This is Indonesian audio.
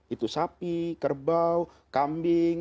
itu sapi kerbau kambing